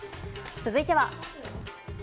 続いては。